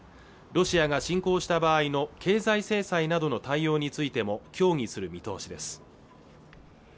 ロシアが侵攻した場合の経済制裁などの対応についても協議する見通しです